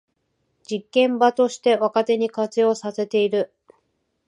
実験場として若手に活用させている